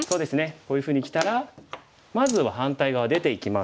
こういうふうにきたらまずは反対側出ていきます。